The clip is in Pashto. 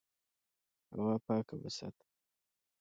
هوا پاکه وساته.